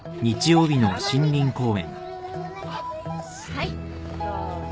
はいどうぞ。